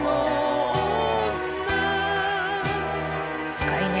深いね。